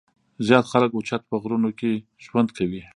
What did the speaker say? زيات خلک اوچت پۀ غرونو کښې ژوند کوي ـ